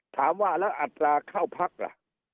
ถามว่าแล้วอัตราเข้าพักล่ะ